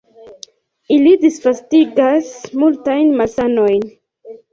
Ili disvastigas multajn malsanojn.